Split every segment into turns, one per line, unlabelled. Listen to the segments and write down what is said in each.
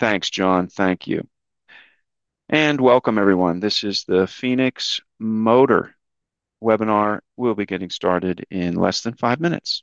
Okay, thanks, John. Thank you. Welcome, everyone. This is the Phoenix Motor Webinar. We'll be getting started in less than a few minutes.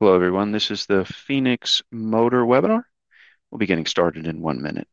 Hello, everyone. This is the Phoenix Motor webinar. We'll be getting started in one minute.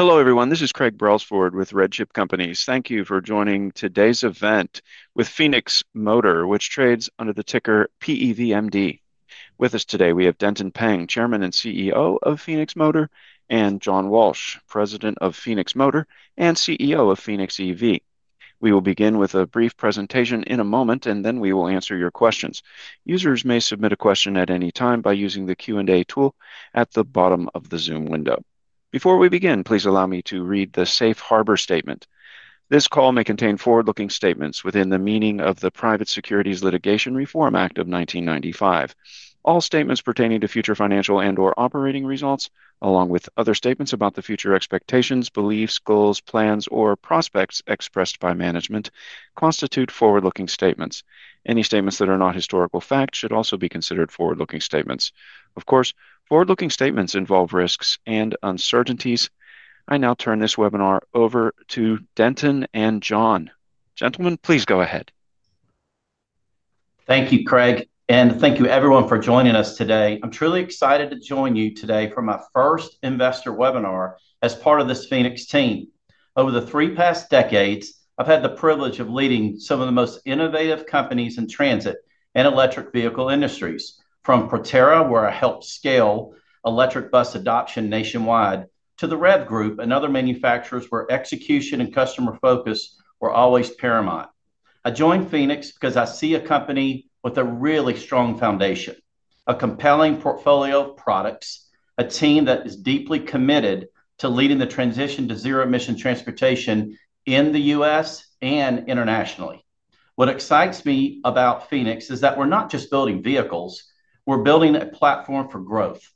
Hello, everyone. This is Craig Brelsford with RedChip Companies. Thank you for joining today's event with Phoenix Motor, which trades under the ticker PEVMD. With us today, we have Denton Peng, Chairman and CEO of Phoenix Motor, and John Walsh, President of Phoenix Motor and CEO of PhoenixEV. We will begin with a brief presentation in a moment, and then we will answer your questions. Users may submit a question at any time by using the Q&A tool at the bottom of the Zoom window. Before we begin, please allow me to read the safe harbor statement. This call may contain forward-looking statements within the meaning of the Private Securities Litigation Reform Act of 1995. All statements pertaining to future financial and/or operating results, along with other statements about the future expectations, beliefs, goals, plans, or prospects expressed by management, constitute forward-looking statements. Any statements that are not historical fact should also be considered forward-looking statements. Of course, forward-looking statements involve risks and uncertainties. I now turn this webinar over to Denton and John. Gentlemen, please go ahead.
Thank you, Craig, and thank you, everyone, for joining us today. I'm truly excited to join you today for my first investor webinar as part of this Phoenix team. Over the past three decades, I've had the privilege of leading some of the most innovative companies in transit and electric vehicle industries, from Proterra, where I helped scale electric bus adoption nationwide, to the REV Group and other manufacturers where execution and customer focus were always paramount. I joined Phoenix because I see a company with a really strong foundation, a compelling portfolio of products, a team that is deeply committed to leading the transition to zero-emission transportation in the U.S. and internationally. What excites me about Phoenix is that we're not just building vehicles; we're building a platform for growth.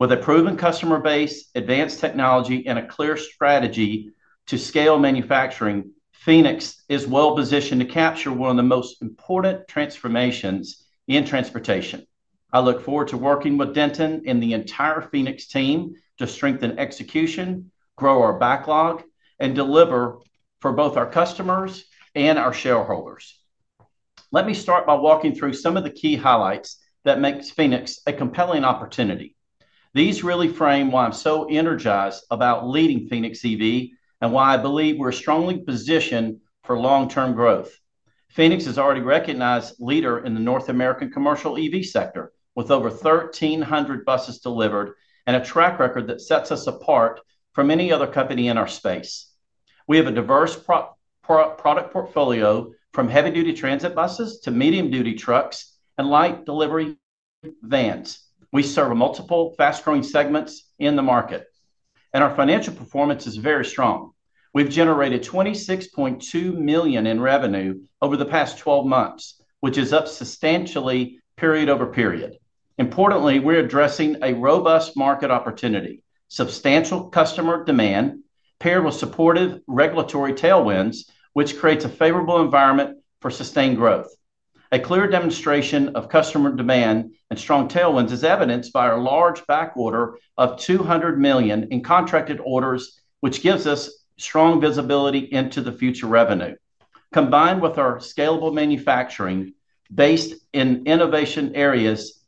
With a proven customer base, advanced technology, and a clear strategy to scale manufacturing, Phoenix is well-positioned to capture one of the most important transformations in transportation. I look forward to working with Denton and the entire Phoenix team to strengthen execution, grow our backlog, and deliver for both our customers and our shareholders. Let me start by walking through some of the key highlights that make Phoenix a compelling opportunity. These really frame why I'm so energized about leading PhoenixEV and why I believe we're strongly positioned for long-term growth. Phoenix is already a recognized leader in the North American commercial EV sector, with over 1,300 buses delivered and a track record that sets us apart from any other company in our space. We have a diverse product portfolio, from heavy-duty transit buses to medium-duty trucks and light delivery vans. We serve multiple fast-growing segments in the market, and our financial performance is very strong. We've generated $26.2 million in revenue over the past 12 months, which is up substantially period over period. Importantly, we're addressing a robust market opportunity, substantial customer demand, paired with supportive regulatory tailwinds, which creates a favorable environment for sustained growth. A clear demonstration of customer demand and strong tailwinds is evidenced by our large backlog of $200 million in contracted orders, which gives us strong visibility into the future revenue. Combined with our scalable manufacturing based in innovation areas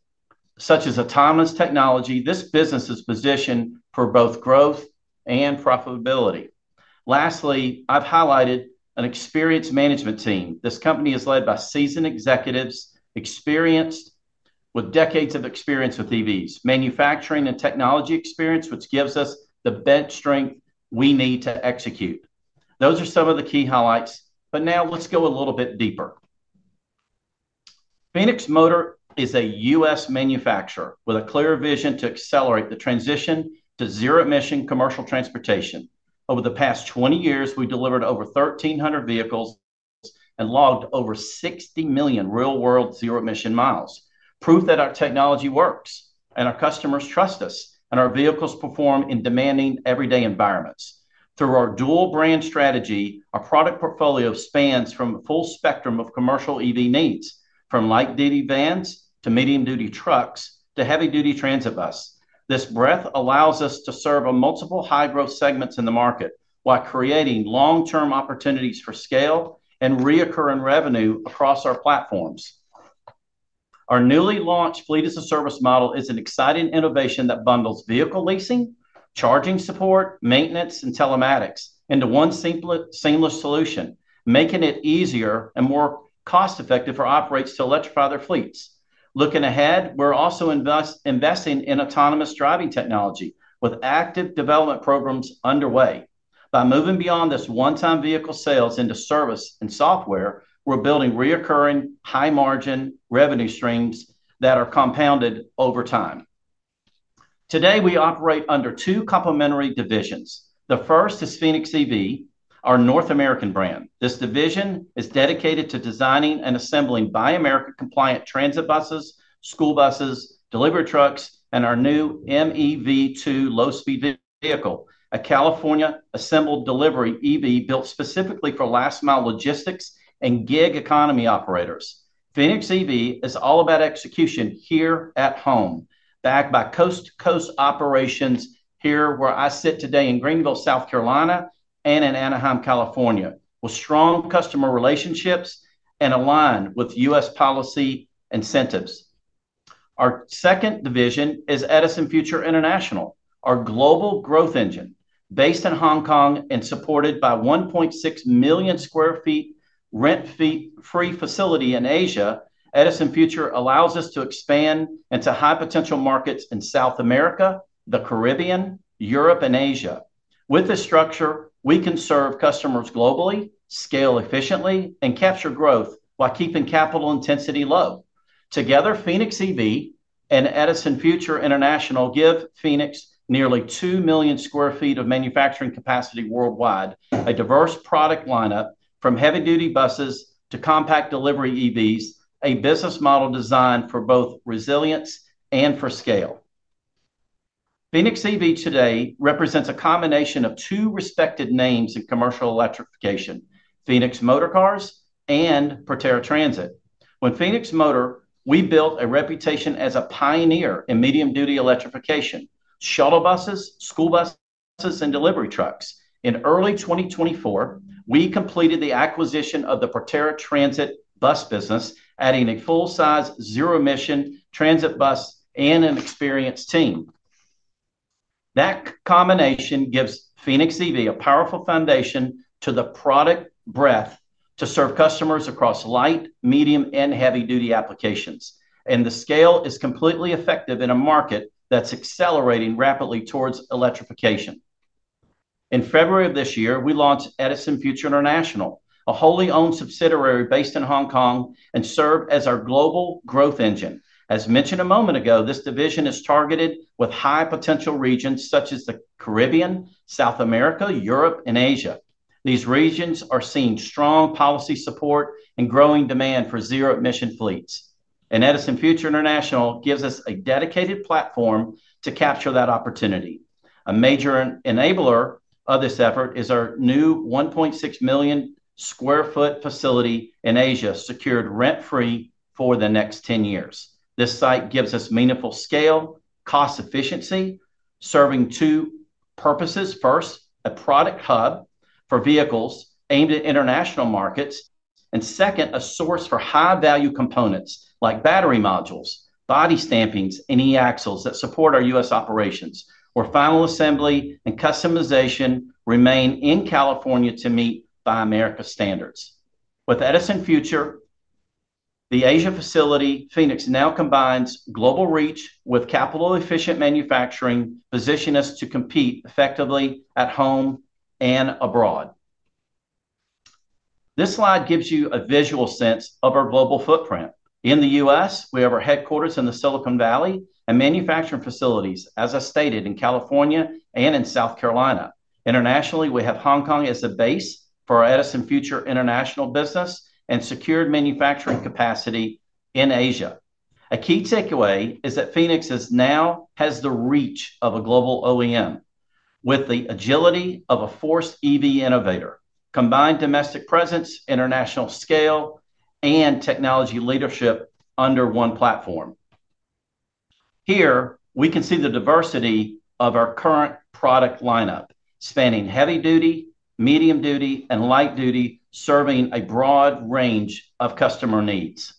such as autonomous technology, this business is positioned for both growth and profitability. Lastly, I've highlighted an experienced management team. This company is led by seasoned executives with decades of experience with EVs, manufacturing, and technology experience, which gives us the bench strength we need to execute. Those are some of the key highlights, but now let's go a little bit deeper. Phoenix Motor is a U.S. manufacturer with a clear vision to accelerate the transition to zero-emission commercial transportation. Over the past 20 years, we delivered over 1,300 vehicles and logged over 60 million real-world zero-emission miles, proof that our technology works and our customers trust us and our vehicles perform in demanding everyday environments. Through our dual brand strategy, our product portfolio spans the full spectrum of commercial EV needs, from light-duty vans to medium-duty trucks to heavy-duty transit bus. This breadth allows us to serve multiple high-growth segments in the market while creating long-term opportunities for scale and recurring revenue across our platforms. Our newly launched fleet-as-a-service model is an exciting innovation that bundles vehicle leasing, charging support, maintenance, and telematics into one seamless solution, making it easier and more cost-effective for operators to electrify their fleets. Looking ahead, we're also investing in autonomous driving technology with active development programs underway. By moving beyond just one-time vehicle sales into service and software, we're building recurring high-margin revenue streams that are compounded over time. Today, we operate under two complementary divisions. The first is PhoenixEV, our North American brand. This division is dedicated to designing and assembling Buy America-compliant transit buses, school buses, delivery trucks, and our new MEV2 low-speed vehicle, a California-assembled delivery EV built specifically for last-mile logistics and gig economy operators. PhoenixEV is all about execution here at home, backed by coast-to-coast operations here where I sit today in Greenville, South Carolina, and in Anaheim, California, with strong customer relationships and aligned with U.S. policy incentives. Our second division is EdisonFuture International, our global growth engine. Based in Hong Kong and supported by a 1.6 million sq ft rent-fee-free facility in Asia, EdisonFuture allows us to expand into high-potential markets in South America, the Caribbean, Europe, and Asia. With this structure, we can serve customers globally, scale efficiently, and capture growth while keeping capital intensity low. Together, PhoenixEV and EdisonFuture International give Phoenix nearly 2 million sq ft of manufacturing capacity worldwide, a diverse product lineup from heavy-duty buses to compact delivery EVs, a business model designed for both resilience and for scale. PhoenixEV today represents a combination of two respected names in commercial electrification: Phoenix Motorcars and Proterra Transit. With Phoenix Motor, we built a reputation as a pioneer in medium-duty electrification, shuttle buses, school buses, and delivery trucks. In early 2024, we completed the acquisition of the Proterra Transit bus business, adding a full-size zero-emission transit bus and an experienced team. That combination gives PhoenixEV a powerful foundation and the product breadth to serve customers across light, medium, and heavy-duty applications, and the scale is completely effective in a market that's accelerating rapidly towards electrification. In February of this year, we launched EdisonFuture International, a wholly owned subsidiary based in Hong Kong, and it serves as our global growth engine. As mentioned a moment ago, this division is targeted with high-potential regions such as the Caribbean, South America, Europe, and Asia. These regions are seeing strong policy support and growing demand for zero-emission fleets, and EdisonFuture International gives us a dedicated platform to capture that opportunity. A major enabler of this effort is our new 1.6 million sq ft facility in Asia, secured rent-free for the next 10 years. This site gives us meaningful scale and cost efficiency, serving two purposes: first, a product hub for vehicles aimed at international markets, and second, a source for high-value components like battery modules, body stampings, and e-axles that support our U.S. operations, where final assembly and customization remain in California to meet Buy America standards. With EdisonFuture, the Asia facility, Phoenix now combines global reach with capital-efficient manufacturing, positioning us to compete effectively at home and abroad. This slide gives you a visual sense of our global footprint. In the U.S., we have our headquarters in Silicon Valley and manufacturing facilities, as I stated, in California and in South Carolina. Internationally, we have Hong Kong as a base for our EdisonFuture International business and secured manufacturing capacity in Asia. A key takeaway is that Phoenix now has the reach of a global OEM with the agility of a forced EV innovator, combined domestic presence, international scale, and technology leadership under one platform. Here, we can see the diversity of our current product lineup, spanning heavy-duty, medium-duty, and light-duty, serving a broad range of customer needs.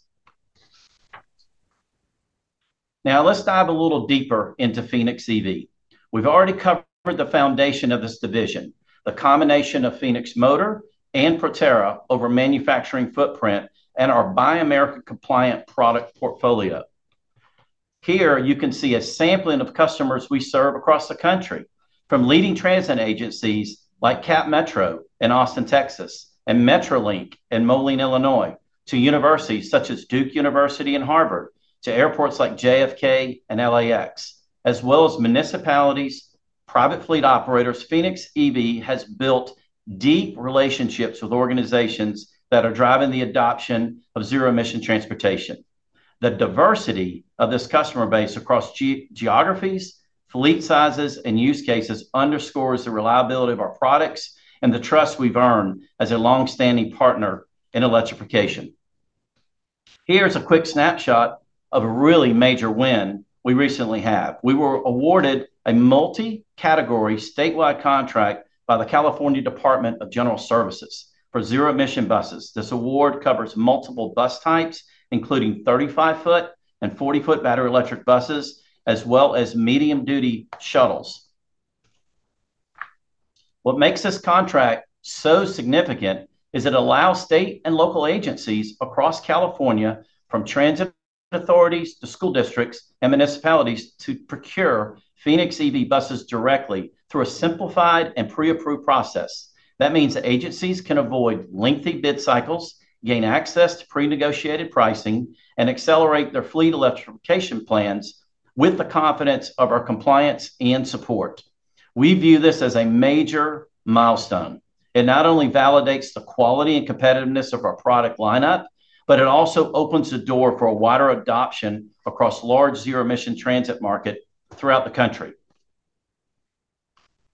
Now, let's dive a little deeper into PhoenixEV. We've already covered the foundation of this division, the combination of Phoenix Motor and Proterra over manufacturing footprint and our Buy America-compliant product portfolio. Here, you can see a sampling of customers we serve across the country, from leading transit agencies like CapMetro in Austin, Texas, and MetroLINK in Moline, Illinois, to universities such as Duke University and Harvard, to airports like JFK and LAX, as well as municipalities and private fleet operators. PhoenixEV has built deep relationships with organizations that are driving the adoption of zero-emission transportation. The diversity of this customer base across geographies, fleet sizes, and use cases underscores the reliability of our products and the trust we've earned as a longstanding partner in electrification. Here's a quick snapshot of a really major win we recently had. We were awarded a multi-category statewide contract by the California Department of General Services for zero-emission buses. This award covers multiple bus types, including 35 ft and 40 ft battery electric buses, as well as medium-duty shuttles. What makes this contract so significant is it allows state and local agencies across California, from transit authorities to school districts and municipalities, to procure PhoenixEV buses directly through a simplified and pre-approved process. That means that agencies can avoid lengthy bid cycles, gain access to pre-negotiated pricing, and accelerate their fleet electrification plans with the confidence of our compliance and support. We view this as a major milestone. It not only validates the quality and competitiveness of our product lineup, but it also opens the door for a wider adoption across a large zero-emission transit market throughout the country.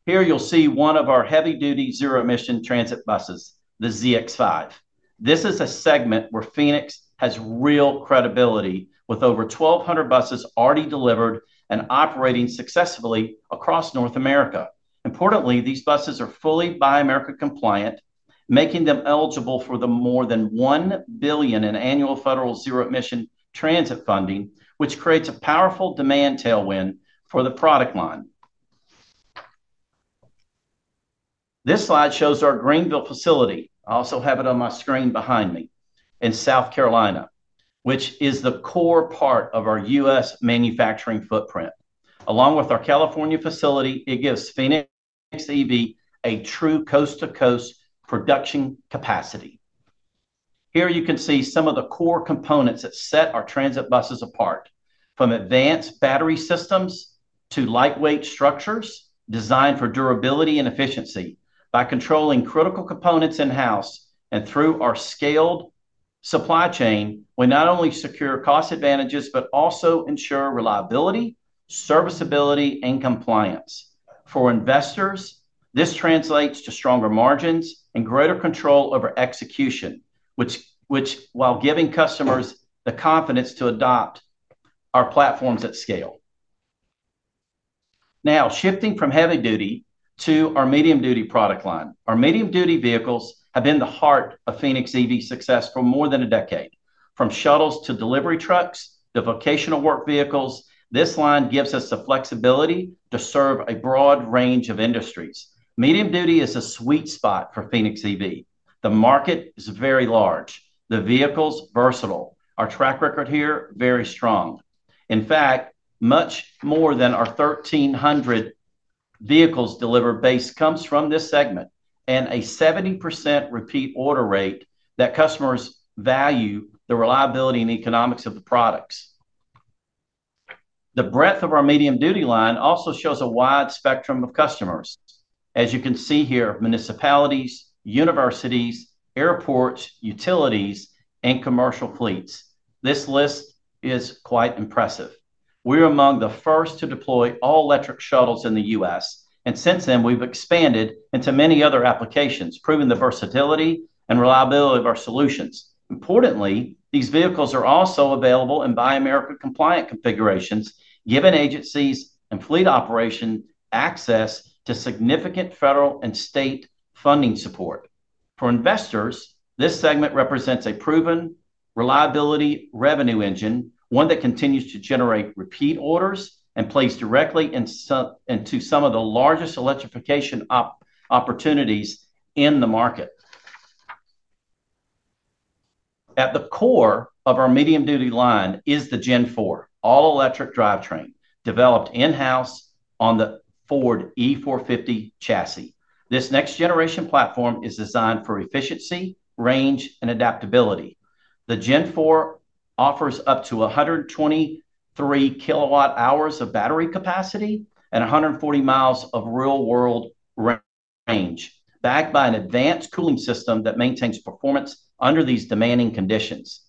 Here, you'll see one of our heavy-duty zero-emission transit buses, the ZX5. This is a segment where Phoenix has real credibility, with over 1,200 buses already delivered and operating successfully across North America. Importantly, these buses are fully Buy America-compliant, making them eligible for the more than $1 billion in annual federal zero-emission transit funding, which creates a powerful demand tailwind for the product line. This slide shows our Greenville facility. I also have it on my screen behind me in South Carolina, which is the core part of our U.S. manufacturing footprint. Along with our California facility, it gives PhoenixEV a true coast-to-coast production capacity. Here, you can see some of the core components that set our transit buses apart, from advanced battery systems to lightweight structures designed for durability and efficiency. By controlling critical components in-house and through our scaled supply chain, we not only secure cost advantages but also ensure reliability, serviceability, and compliance. For investors, this translates to stronger margins and greater control over execution, which, while giving customers the confidence to adopt our platforms at scale. Now, shifting from heavy-duty to our medium-duty product line, our medium-duty vehicles have been the heart of PhoenixEV's success for more than a decade. From shuttles to delivery trucks to vocational work vehicles, this line gives us the flexibility to serve a broad range of industries. Medium duty is a sweet spot for PhoenixEV. The market is very large, the vehicles versatile, our track record here very strong. In fact, much more than our 1,300 vehicles delivered base comes from this segment and a 70% repeat order rate that customers value the reliability and economics of the products. The breadth of our medium-duty line also shows a wide spectrum of customers. As you can see here, municipalities, universities, airports, utilities, and commercial fleets. This list is quite impressive. We're among the first to deploy all-electric shuttles in the U.S., and since then, we've expanded into many other applications, proving the versatility and reliability of our solutions. Importantly, these vehicles are also available in Buy America-compliant configurations, giving agencies and fleet operations access to significant federal and state funding support. For investors, this segment represents a proven reliability revenue engine, one that continues to generate repeat orders and plays directly into some of the largest electrification opportunities in the market. At the core of our medium-duty line is the Gen 4 all-electric drivetrain, developed in-house on the Ford E-450 Chassis. This next-generation platform is designed for efficiency, range, and adaptability. The Gen 4 offers up to 123 kWh of battery capacity and 140 mi of real-world range, backed by an advanced cooling system that maintains performance under these demanding conditions.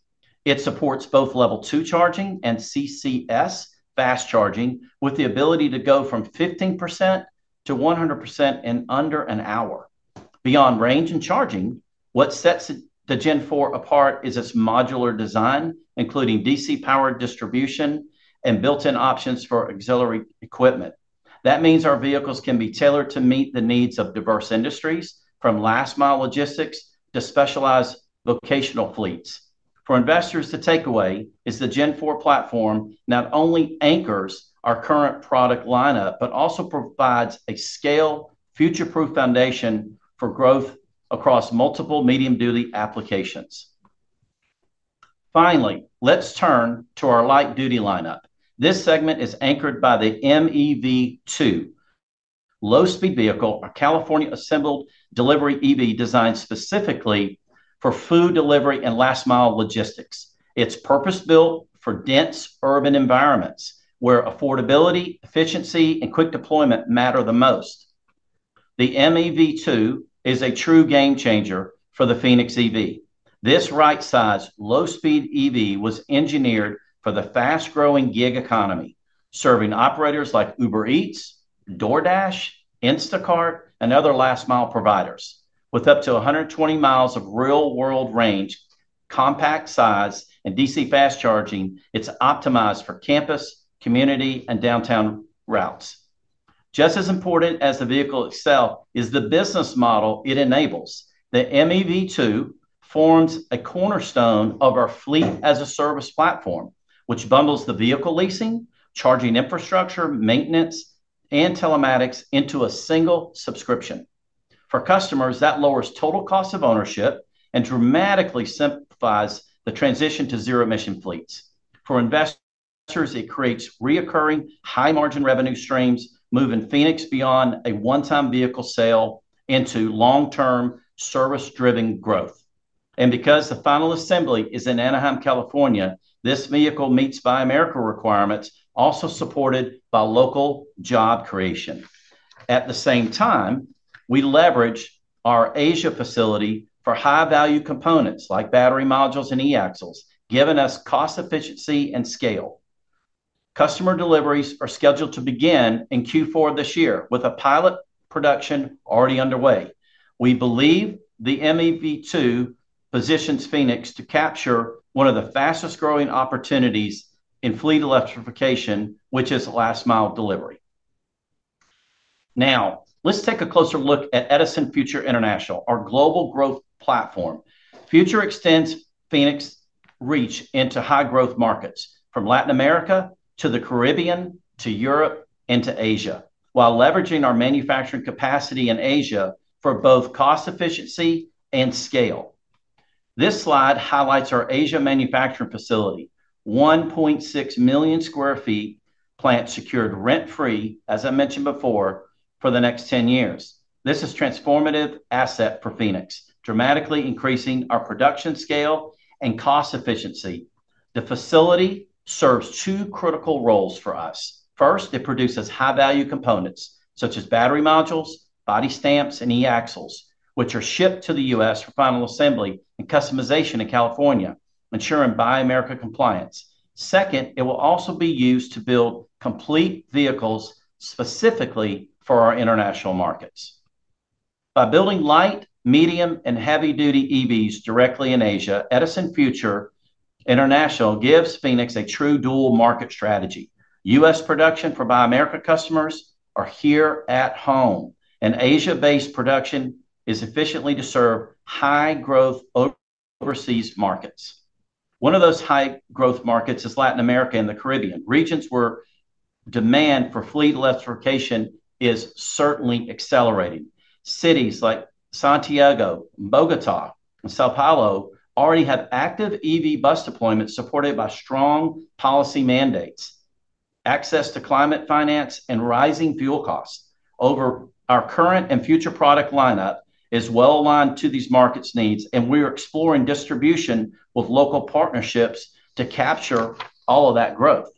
It supports both Level 2 charging and CCS fast charging, with the ability to go from 15% to 100% in under an hour. Beyond range and charging, what sets the Gen 4 apart is its modular design, including DC-powered distribution and built-in options for auxiliary equipment. That means our vehicles can be tailored to meet the needs of diverse industries, from last-mile logistics to specialized vocational fleets. For investors, the takeaway is the Gen 4 platform not only anchors our current product lineup but also provides a scale, future-proof foundation for growth across multiple medium-duty applications. Finally, let's turn to our light-duty lineup. This segment is anchored by the MEV2 low-speed vehicle, a California-assembled delivery EV designed specifically for food delivery and last-mile logistics. It's purpose-built for dense urban environments where affordability, efficiency, and quick deployment matter the most. The MEV2 is a true game changer for the PhoenixEV. This right-sized low-speed EV was engineered for the fast-growing gig economy, serving operators like Uber Eats, DoorDash, Instacart, and other last-mile providers. With up to 120 mi of real-world range, compact size, and DC fast charging, it's optimized for campus, community, and downtown routes. Just as important as the vehicle itself is the business model it enables. The MEV2 forms a cornerstone of our fleet-as-a-service platform, which bundles the vehicle leasing, charging infrastructure, maintenance, and telematics into a single subscription. For customers, that lowers total cost of ownership and dramatically simplifies the transition to zero-emission fleets. For investors, it creates recurring high-margin revenue streams, moving Phoenix beyond a one-time vehicle sale into long-term service-driven growth. Because the final assembly is in Anaheim, California, this vehicle meets Buy America requirements, also supported by local job creation. At the same time, we leverage our Asia facility for high-value components like battery modules and e-axles, giving us cost efficiency and scale. Customer deliveries are scheduled to begin in Q4 this year, with a pilot production already underway. We believe the MEV2 positions Phoenix to capture one of the fastest growing opportunities in fleet electrification, which is last-mile delivery. Now, let's take a closer look at EdisonFuture International, our global growth platform. EdisonFuture extends Phoenix's reach into high-growth markets, from Latin America to the Caribbean to Europe and to Asia, while leveraging our manufacturing capacity in Asia for both cost efficiency and scale. This slide highlights our Asia manufacturing facility, 1.6 million sq ft plant secured rent-free, as I mentioned before, for the next 10 years. This is a transformative asset for Phoenix, dramatically increasing our production scale and cost efficiency. The facility serves two critical roles for us. First, it produces high-value components such as battery modules, body stamps, and e-axles, which are shipped to the U.S. for final assembly and customization in California, ensuring Buy America compliance. Second, it will also be used to build complete vehicles specifically for our international markets. By building light, medium, and heavy-duty EVs directly in Asia, EdisonFuture International gives Phoenix a true dual market strategy. U.S. production for Buy America customers is here at home, and Asia-based production is efficiently to serve high-growth overseas markets. One of those high-growth markets is Latin America and the Caribbean, regions where demand for fleet electrification is certainly accelerating. Cities like Santiago, Bogotá, and São Paulo already have active EV bus deployments supported by strong policy mandates. Access to climate finance and rising fuel costs over our current and future product lineup is well aligned to these markets' needs, and we're exploring distribution with local partnerships to capture all of that growth.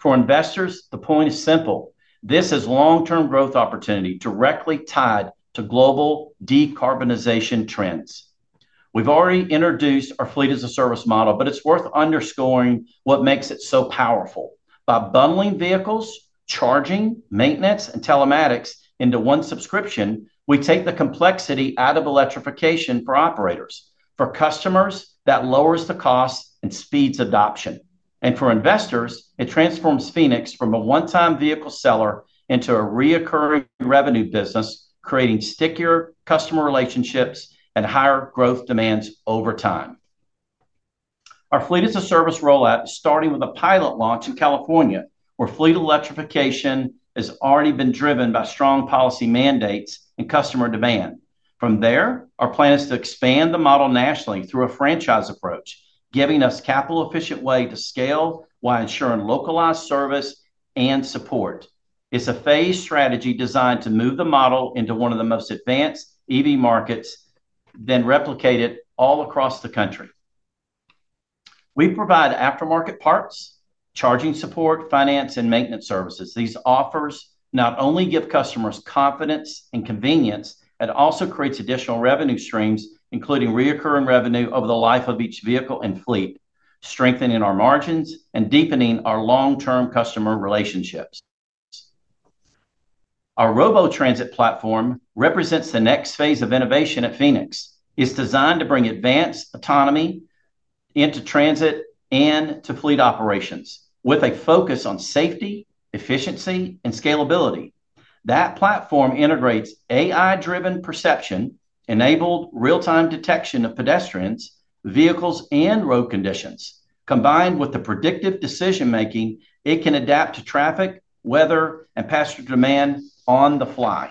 For investors, the point is simple: this is a long-term growth opportunity directly tied to global decarbonization trends. We've already introduced our fleet-as-a-service model, but it's worth underscoring what makes it so powerful. By bundling vehicles, charging, maintenance, and telematics into one subscription, we take the complexity out of electrification for operators. For customers, that lowers the cost and speeds adoption. For investors, it transforms Phoenix from a one-time vehicle seller into a recurring revenue business, creating stickier customer relationships and higher growth demands over time. Our fleet-as-a-service rollout is starting with a pilot launch in California, where fleet electrification has already been driven by strong policy mandates and customer demand. From there, our plan is to expand the model nationally through a franchise approach, giving us a capital-efficient way to scale while ensuring localized service and support. It's a phased strategy designed to move the model into one of the most advanced EV markets, then replicate it all across the country. We provide aftermarket parts, charging support, finance, and maintenance services. These offers not only give customers confidence and convenience, they also create additional revenue streams, including recurring revenue over the life of each vehicle and fleet, strengthening our margins and deepening our long-term customer relationships. Our robo-transit platform represents the next phase of innovation at Phoenix Motor. It's designed to bring advanced autonomy into transit and to fleet operations, with a focus on safety, efficiency, and scalability. That platform integrates AI-driven perception, enabling real-time detection of pedestrians, vehicles, and road conditions. Combined with predictive decision-making, it can adapt to traffic, weather, and passenger demand on the fly,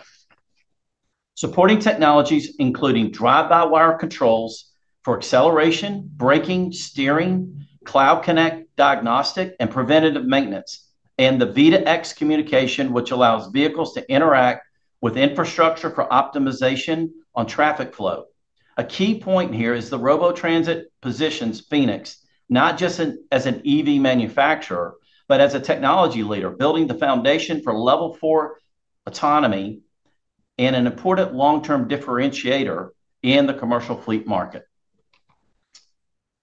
supporting technologies including drive-by-wire controls for acceleration, braking, steering, cloud connect, diagnostic, and preventative maintenance, and the B2X communication, which allows vehicles to interact with infrastructure for optimization on traffic flow. A key point here is the robo-transit positions Phoenix not just as an EV manufacturer, but as a technology leader, building the foundation for Level 4 autonomy and an important long-term differentiator in the commercial fleet market.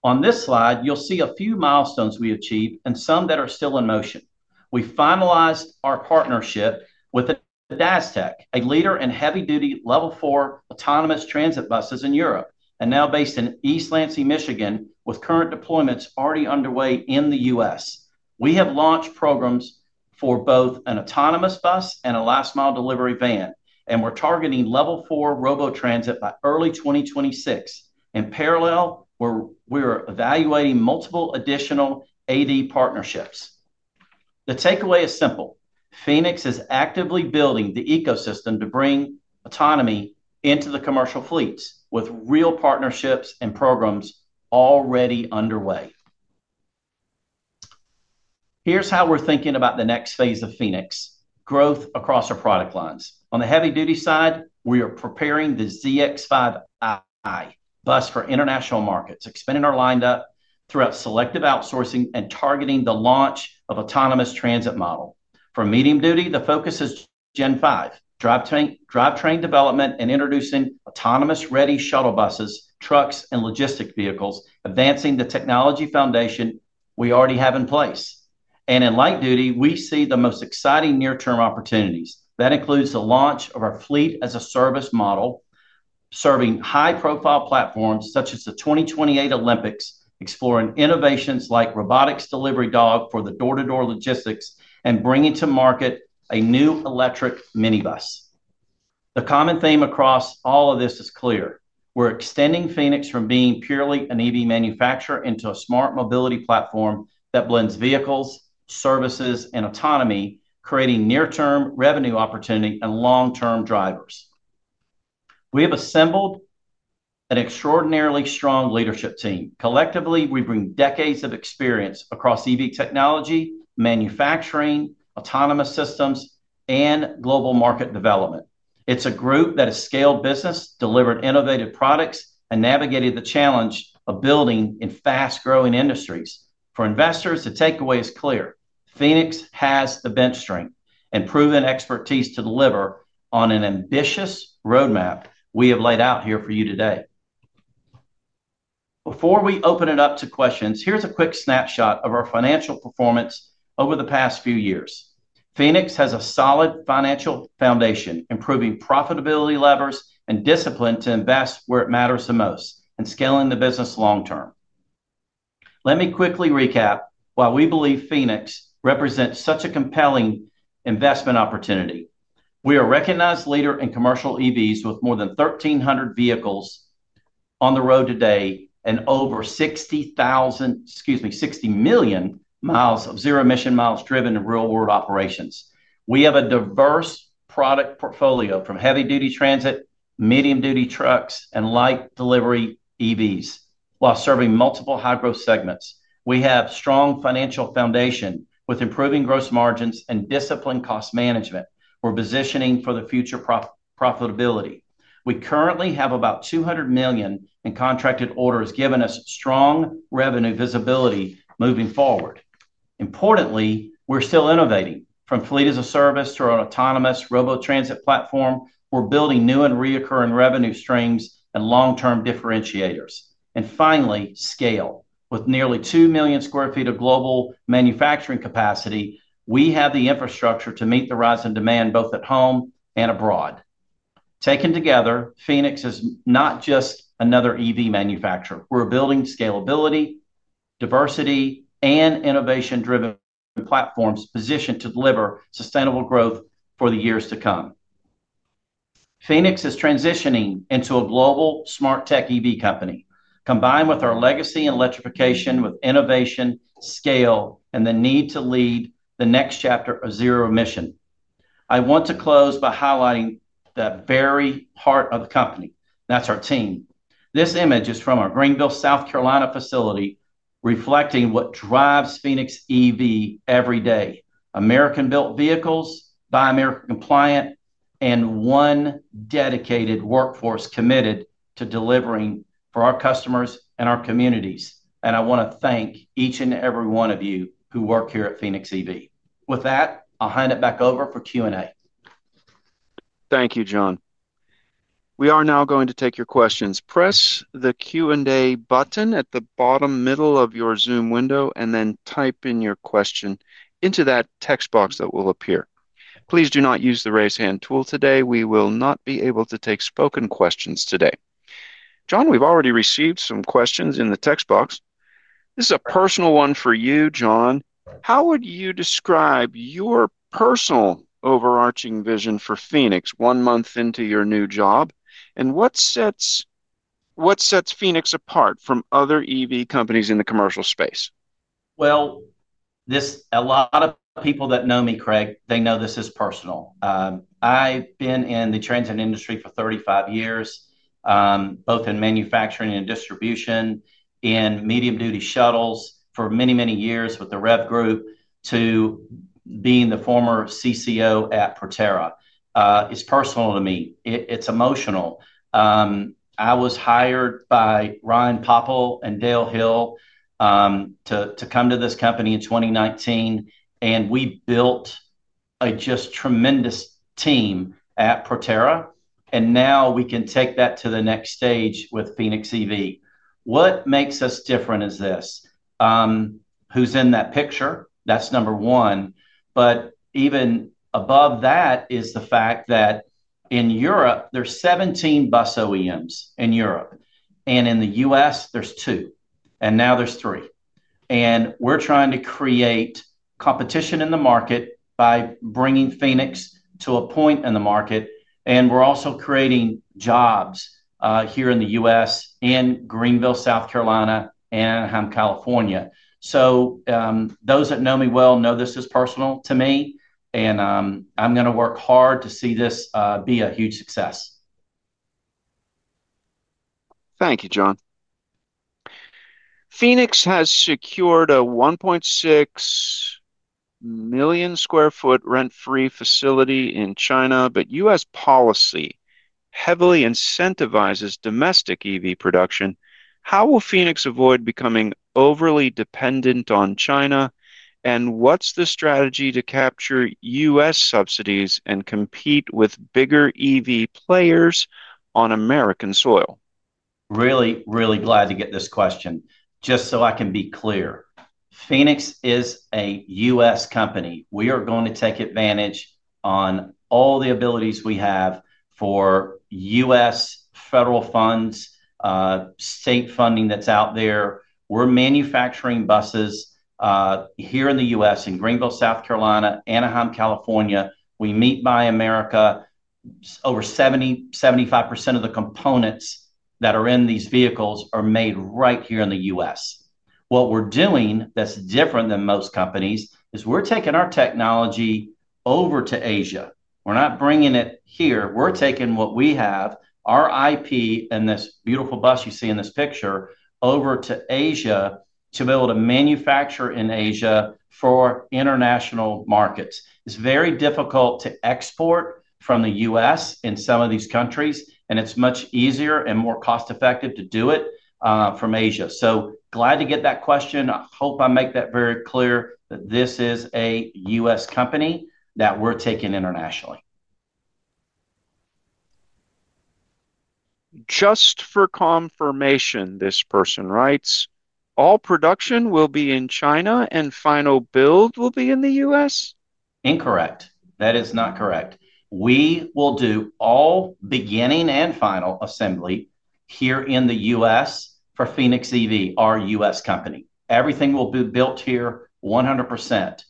On this slide, you'll see a few milestones we achieved and some that are still in motion. We finalized our partnership with ADASTEC a leader in heavy-duty Level 4 autonomous transit buses in Europe, and now based in East Lansing, Michigan, with current deployments already underway in the U.S. We have launched programs for both an autonomous bus and a last-mile delivery van, and we're targeting Level 4 robo-transit by early 2026. In parallel, we're evaluating multiple additional AV partnerships. The takeaway is simple: Phoenix is actively building the ecosystem to bring autonomy into the commercial fleets, with real partnerships and programs already underway. Here's how we're thinking about the next phase of Phoenix: growth across our product lines. On the heavy-duty side, we are preparing the ZX5 bus for international markets, expanding our lineup through selective outsourcing and targeting the launch of an autonomous transit model. For medium duty, the focus is Gen5 drivetrain development and introducing autonomous-ready shuttle buses, trucks, and logistic vehicles, advancing the technology foundation we already have in place. In light duty, we see the most exciting near-term opportunities. That includes the launch of our fleet-as-a-service model, serving high-profile platforms such as the 2028 Olympics, exploring innovations like robotics delivery dog for door-to-door logistics, and bringing to market a new electric minibus. The common theme across all of this is clear: we're extending Phoenix from being purely an EV manufacturer into a smart mobility platform that blends vehicles, services, and autonomy, creating near-term revenue opportunity and long-term drivers. We have assembled an extraordinarily strong leadership team. Collectively, we bring decades of experience across EV technology, manufacturing, autonomous systems, and global market development. It's a group that has scaled business, delivered innovative products, and navigated the challenge of building in fast-growing industries. For investors, the takeaway is clear: Phoenix has the bench strength and proven expertise to deliver on an ambitious roadmap we have laid out here for you today. Before we open it up to questions, here's a quick snapshot of our financial performance over the past few years. Phoenix has a solid financial foundation, improving profitability levers and discipline to invest where it matters the most and scaling the business long term. Let me quickly recap why we believe Phoenix represents such a compelling investment opportunity. We are a recognized leader in commercial EVs, with more than 1,300 vehicles on the road today and over 60 million mi of zero-emission miles driven in real-world operations. We have a diverse product portfolio from heavy-duty transit, medium-duty trucks, and light delivery EVs, while serving multiple high-growth segments. We have a strong financial foundation with improving gross margins and disciplined cost management. We're positioning for the future profitability. We currently have about $200 million in contracted orders, giving us strong revenue visibility moving forward. Importantly, we're still innovating from fleet-as-a-service to our autonomous robo-transit platform. We're building new and recurring revenue streams and long-term differentiators. Finally, scale. With nearly 2 million sq ft of global manufacturing capacity, we have the infrastructure to meet the rise in demand both at home and abroad. Taken together, Phoenix is not just another EV manufacturer. We're building scalability, diversity, and innovation-driven platforms positioned to deliver sustainable growth for the years to come. Phoenix is transitioning into a global smart tech EV company, combined with our legacy in electrification, with innovation, scale, and the need to lead the next chapter of zero emission. I want to close by highlighting the very heart of the company. That's our team. This image is from our Greenville, South Carolina, facility, reflecting what drives PhoenixEV every day: American-built vehicles, Buy America-compliant, and one dedicated workforce committed to delivering for our customers and our communities. I want to thank each and every one of you who work here at PhoenixEV. With that, I'll hand it back over for Q&A.
Thank you, John. We are now going to take your questions. Press the Q&A button at the bottom middle of your Zoom window, and then type in your question into that text box that will appear. Please do not use the raise hand tool today. We will not be able to take spoken questions today. John, we've already received some questions in the text box. This is a personal one for you, John. How would you describe your personal overarching vision for Phoenix one month into your new job? What sets Phoenix apart from other EV companies in the commercial space?
A lot of people that know me, Craig, they know this is personal. I've been in the transit industry for 35 years, both in manufacturing and distribution, in medium-duty shuttles for many, many years with the REV Group to being the former CCO at Proterra. It's personal to me. It's emotional. I was hired by Ryan Popple and Dale Hill to come to this company in 2019, and we built a just tremendous team at Proterra, and now we can take that to the next stage with PhoenixEV. What makes us different is this: who's in that picture? That's number one. Even above that is the fact that in Europe, there's 17 bus OEMs in Europe, and in the U.S., there's two, and now there's three. We're trying to create competition in the market by bringing Phoenix to a point in the market, and we're also creating jobs here in the U.S., in Greenville, South Carolina, Anaheim, California. Those that know me well know this is personal to me, and I'm going to work hard to see this be a huge success.
Thank you, John. Phoenix has secured a 1.6 million sq ft rent-free facility in China, but U.S. policy heavily incentivizes domestic EV production. How will Phoenix avoid becoming overly dependent on China, and what's the strategy to capture U.S. subsidies and compete with bigger EV players on American soil? Really, really glad to get this question. Just so I can be clear, Phoenix is a U.S. company. We are going to take advantage of all the abilities we have for U.S. federal funds, state funding that's out there. We're manufacturing buses here in the U.S., in Greenville, South Carolina, Anaheim, California. We meet Buy America. Over 75% of the components that are in these vehicles are made right here in the U.S. What we're doing that's different than most companies is we're taking our technology over to Asia. We're not bringing it here. We're taking what we have, our IP, and this beautiful bus you see in this picture over to Asia to be able to manufacture in Asia for international markets. It's very difficult to export from the U.S. in some of these countries, and it's much easier and more cost-effective to do it from Asia. Glad to get that question. I hope I make that very clear that this is a U.S. company that we're taking internationally. Just for confirmation, this person writes, "All production will be in China and final build will be in the U.S.?
That is not correct. We will do all beginning and final assembly here in the U.S. for PhoenixEV, our U.S. company. Everything will be built here 100%.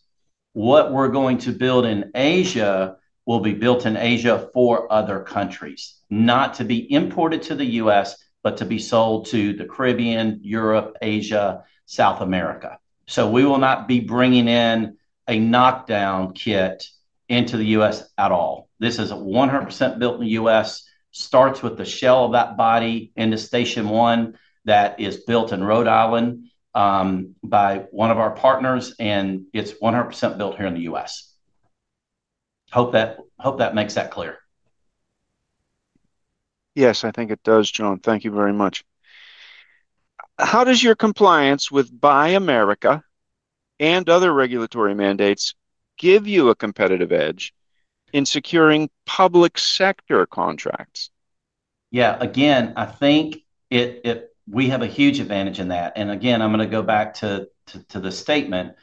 What we're going to build in Asia will be built in Asia for other countries, not to be imported to the U.S., but to be sold to the Caribbean, Europe, Asia, South America. We will not be bringing in a knockdown kit into the U.S. at all. This is 100% built in the U.S. It starts with the shell of that body in station one that is built in Rhode Island by one of our partners, and it's 100% built here in the U.S. Hope that makes that clear.
Yes, I think it does, John. Thank you very much. How does your compliance with Buy America and other regulatory mandates give you a competitive edge in securing public sector contracts?
Yeah, again, I think we have a huge advantage in that. I'm going to go back to the statement.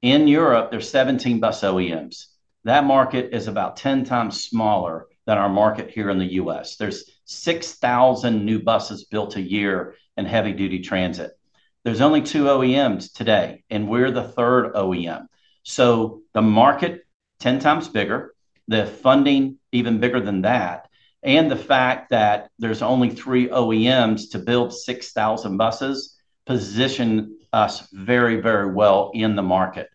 In Europe, there's 17 bus OEMs. That market is about 10x smaller than our market here in the U.S. There's 6,000 new buses built a year in heavy-duty transit. There's only two OEMs today, and we're the third OEM. The market is 10x bigger, the funding even bigger than that, and the fact that there's only three OEMs to build 6,000 buses positions us very, very well in the market.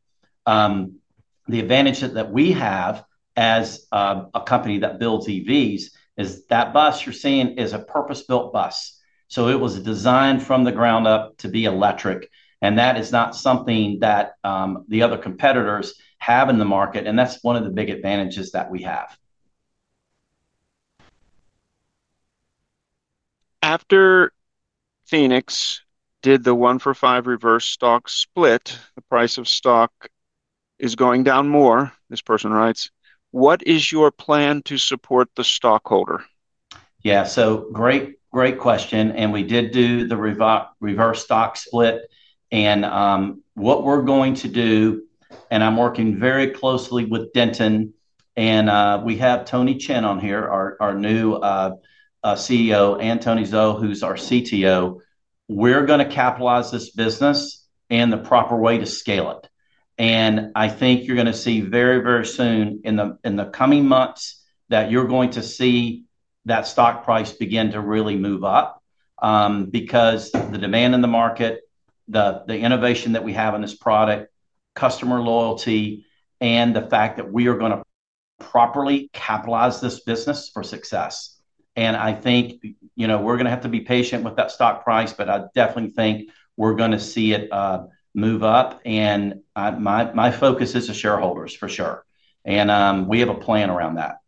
The advantage that we have as a company that builds EVs is that bus you're seeing is a purpose-built bus. It was designed from the ground up to be electric, and that is not something that the other competitors have in the market, and that's one of the big advantages that we have.
After Phoenix did the one-for-five reverse stock split, the price of stock is going down more. This person writes, "What is your plan to support the stockholder?
Great question. We did do the reverse stock split, and what we're going to do, and I'm working very closely with Denton, and we have Tony [Shen] on here, our new CEO, and Tony Zhou, who's our CTO. We're going to capitalize this business in the proper way to scale it. I think you're going to see very, very soon in the coming months that you're going to see that stock price begin to really move up because the demand in the market, the innovation that we have in this product, customer loyalty, and the fact that we are going to properly capitalize this business for success. I think we're going to have to be patient with that stock price, but I definitely think we're going to see it move up, and my focus is the shareholders for sure. We have a plan around that.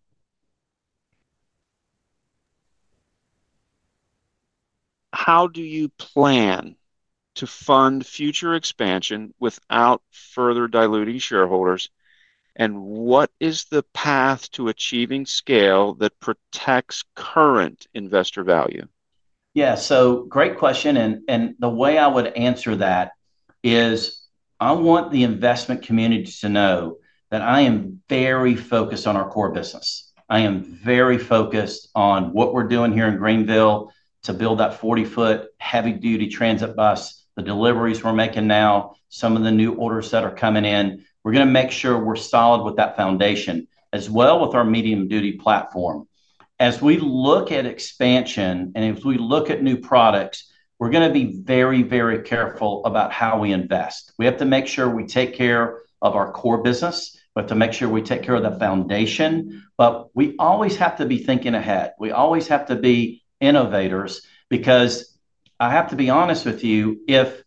How do you plan to fund future expansion without further diluting shareholders, and what is the path to achieving scale that protects current investor value?
Great question. The way I would answer that is I want the investment community to know that I am very focused on our core business. I am very focused on what we're doing here in Greenville to build that 40 ft zero-emission automated bus, the deliveries we're making now, some of the new orders that are coming in. We're going to make sure we're solid with that foundation, as well with our medium-duty platform. As we look at expansion and as we look at new products, we're going to be very, very careful about how we invest. We have to make sure we take care of our core business. We have to make sure we take care of the foundation. We always have to be thinking ahead. We always have to be innovators because I have to be honest with you, if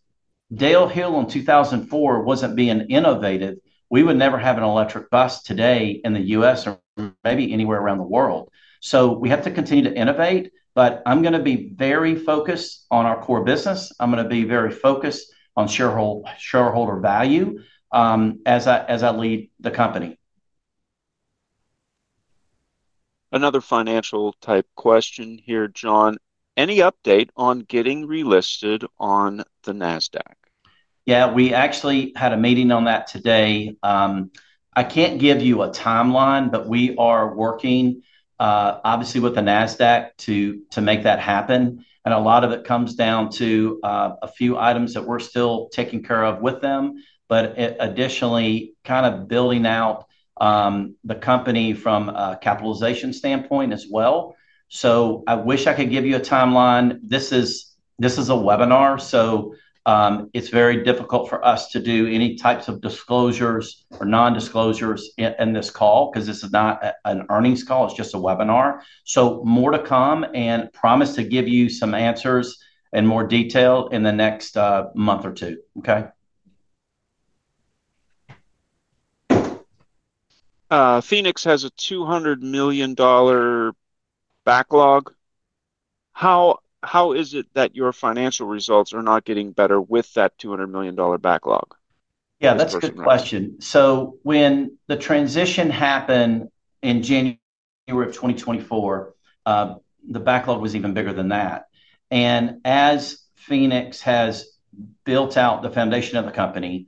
Dale Hill in 2004 wasn't being innovative, we would never have an electric bus today in the U.S. or maybe anywhere around the world. We have to continue to innovate, but I'm going to be very focused on our core business. I'm going to be very focused on shareholder value as I lead the company.
Another financial type question here, John. Any update on getting relisted on the Nasdaq?
Yeah, we actually had a meeting on that today. I can't give you a timeline, but we are working obviously with the Nasdaq to make that happen. A lot of it comes down to a few items that we're still taking care of with them, but additionally kind of building out the company from a capitalization standpoint as well. I wish I could give you a timeline. This is a webinar, so it's very difficult for us to do any types of disclosures or non-disclosures in this call because this is not an earnings call. It's just a webinar. More to come and promise to give you some answers and more detail in the next month or two. Okay?
Phoenix has a $200 million backlog. How is it that your financial results are not getting better with that $200 million backlog?
Yeah, that's a good question. When the transition happened in January 2024, the backlog was even bigger than that. As Phoenix has built out the foundation of the company,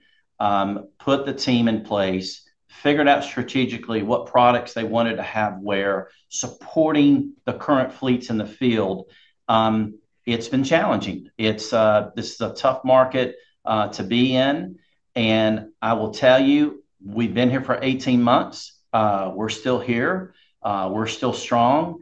put the team in place, figured out strategically what products they wanted to have where, supporting the current fleets in the field, it's been challenging. This is a tough market to be in. I will tell you, we've been here for 18 months. We're still here. We're still strong.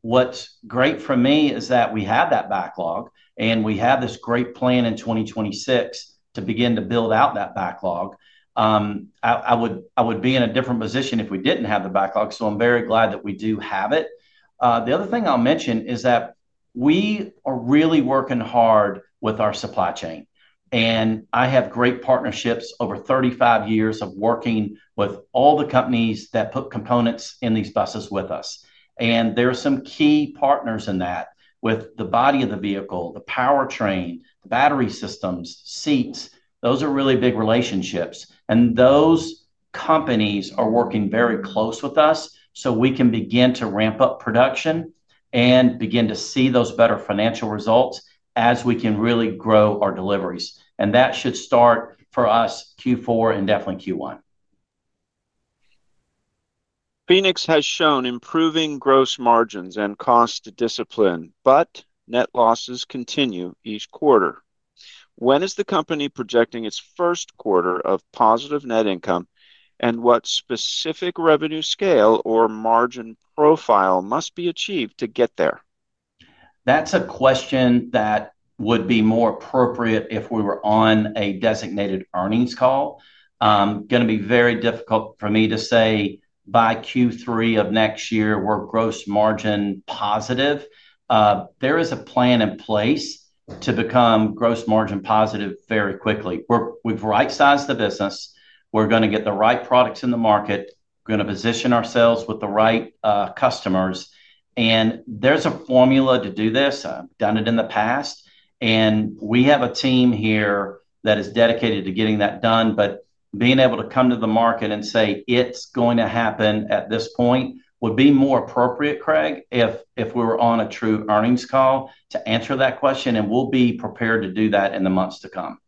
What's great for me is that we have that backlog and we have this great plan in 2026 to begin to build out that backlog. I would be in a different position if we didn't have the backlog, so I'm very glad that we do have it. The other thing I'll mention is that we are really working hard with our supply chain. I have great partnerships over 35 years of working with all the companies that put components in these buses with us. There are some key partners in that, with the body of the vehicle, the powertrain, battery systems, seats. Those are really big relationships. Those companies are working very close with us so we can begin to ramp up production and begin to see those better financial results as we can really grow our deliveries. That should start for us Q4 and definitely Q1.
Phoenix has shown improving gross margins and cost discipline, but net losses continue each quarter. When is the company projecting its first quarter of positive net income, and what specific revenue scale or margin profile must be achieved to get there?
That's a question that would be more appropriate if we were on a designated earnings call. It's going to be very difficult for me to say by Q3 of next year we're gross margin positive. There is a plan in place to become gross margin positive very quickly. We've right-sized the business. We're going to get the right products in the market. We're going to position ourselves with the right customers. There is a formula to do this. I've done it in the past, and we have a team here that is dedicated to getting that done. Being able to come to the market and say it's going to happen at this point would be more appropriate, Craig, if we were on a true earnings call to answer that question. We'll be prepared to do that in the months to come.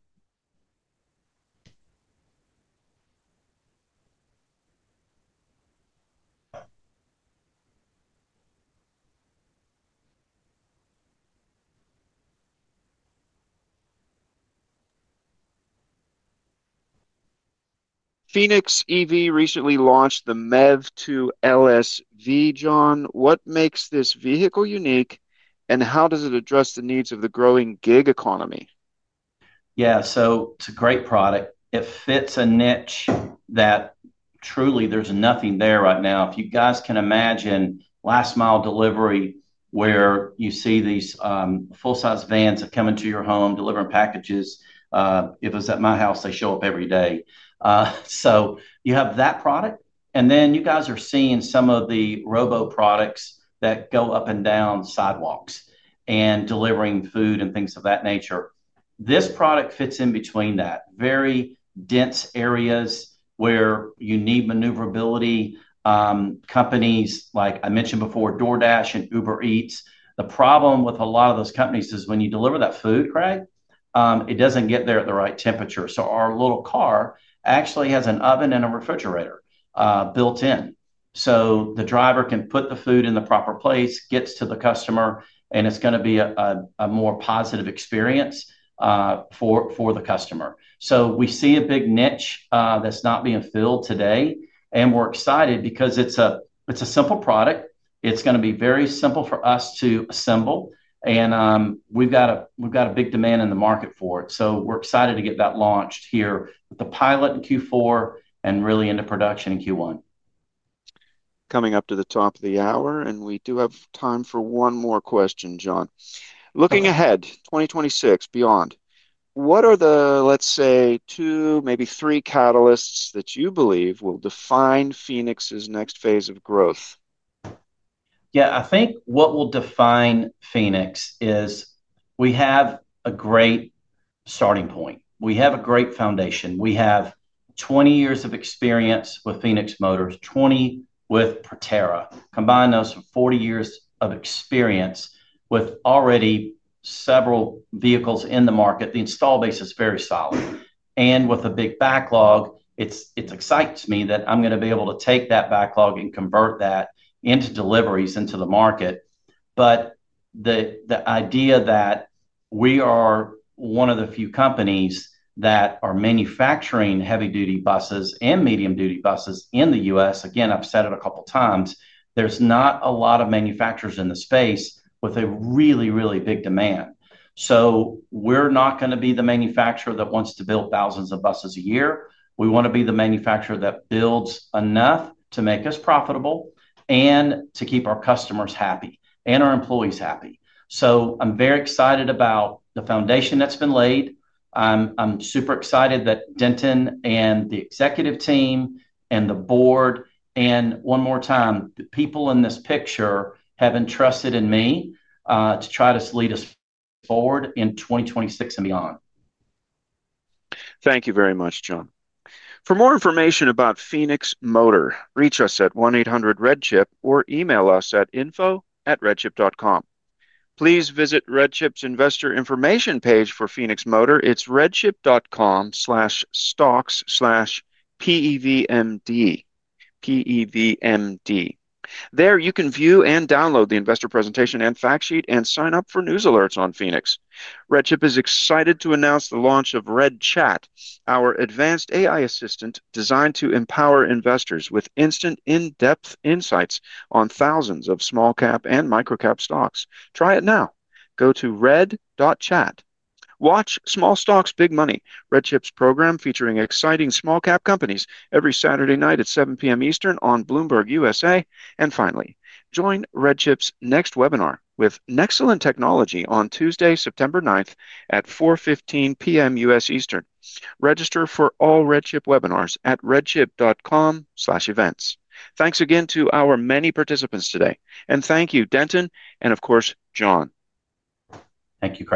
PhoenixEV recently launched the MEV2/LSV, John. What makes this vehicle unique, and how does it address the needs of the growing gig economy?
Yeah, so it's a great product. It fits a niche that truly there's nothing there right now. If you guys can imagine last-mile delivery where you see these full-size vans coming to your home, delivering packages. If it was at my house, they show up every day. You have that product, and then you guys are seeing some of the robo products that go up and down sidewalks and delivering food and things of that nature. This product fits in between that. Very dense areas where you need maneuverability. Companies, like I mentioned before, DoorDash and Uber Eats. The problem with a lot of those companies is when you deliver that food, Craig, it doesn't get there at the right temperature. Our little car actually has an oven and a refrigerator built in. The driver can put the food in the proper place, gets to the customer, and it's going to be a more positive experience for the customer. We see a big niche that's not being filled today, and we're excited because it's a simple product. It's going to be very simple for us to assemble, and we've got a big demand in the market for it. We're excited to get that launched here with the pilot in Q4 and really into production in Q1.
Coming up to the top of the hour, and we do have time for one more question, John. Looking ahead, 2026, beyond, what are the, let's say, two, maybe three catalysts that you believe will define Phoenix's next phase of growth?
Yeah, I think what will define Phoenix is we have a great starting point. We have a great foundation. We have 20 years of experience with Phoenix Motor, 20 with Proterra. Combine those 40 years of experience with already several vehicles in the market. The install base is very solid. With a big backlog, it excites me that I'm going to be able to take that backlog and convert that into deliveries into the market. The idea that we are one of the few companies that are manufacturing heavy-duty buses and medium-duty buses in the U.S., again, I've said it a couple of times, there's not a lot of manufacturers in the space with a really, really big demand. We're not going to be the manufacturer that wants to build thousands of buses a year. We want to be the manufacturer that builds enough to make us profitable and to keep our customers happy and our employees happy. I'm very excited about the foundation that's been laid. I'm super excited that Denton and the executive team and the board, and one more time, the people in this picture have entrusted in me to try to lead us forward in 2026 and beyond.
Thank you very much, John. For more information about Phoenix Motor, reach us at 1-800-RED-CHIP or email us at info@redchip.com. Please visit RedChip's investor information page for Phoenix Motor. It's redchip.com/stocks/pevmd. p-e-v-m-d. There you can view and download the investor presentation and fact sheet and sign up for news alerts on Phoenix. RedChip is excited to announce the launch of RedChat, our advanced AI assistant designed to empower investors with instant in-depth insights on thousands of small-cap and micro-cap stocks. Try it now. Go to red.chat. Watch Small Stocks, Big Money, RedChip's program featuring exciting small-cap companies every Saturday night at 7:00 P.M. Eastern on Bloomberg U.S.A. Finally, join RedChip's next webinar with Nexalin Technology on Tuesday, September 9th at 4:15 P.M. U.S. Eastern. Register for all RedChip webinars at redchip.com/events. Thanks again to our many participants today. Thank you, Denton, and of course, John.
Thank you, Craig.